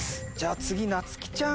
次なつきちゃん。